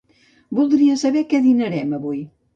Voldria saber què dinàrem avui.